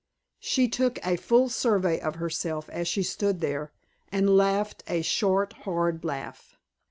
She took a full survey of herself as she stood there, and laughed a short, hard laugh.